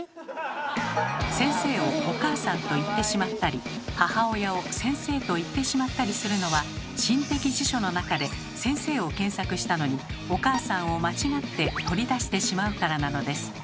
先生をお母さんと言ってしまったり母親を先生と言ってしまったりするのは心的辞書の中で「先生」を検索したのに「お母さん」を間違って取り出してしまうからなのです。